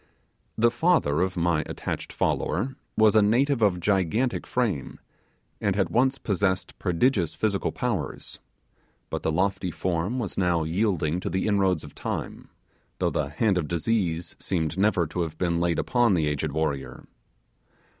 The father of my attached follower was a native of gigantic frame, and had once possessed prodigious physical powers; but the lofty form was now yielding to the inroads of time, though the hand of disease seemed never to have been laid upon the aged warrior.